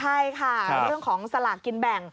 ใช่ค่ะเรื่องของสลากกินแบ่ง